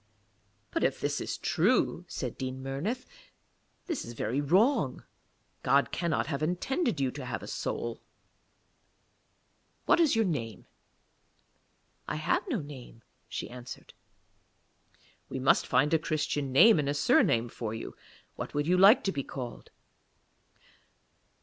'But if this is true,' said Dean Murnith, 'this is very wrong. God cannot have intended you to have a soul. 'What is your name?' 'I have no name,' she answered. 'We must find a Christian name and a surname for you. What would you like to be called?'